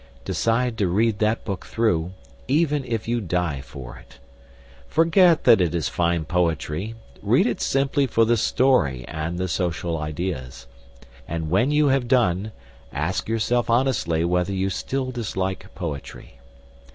Decide to read that book through, even if you die for it. Forget that it is fine poetry. Read it simply for the story and the social ideas. And when you have done, ask yourself honestly whether you still dislike poetry.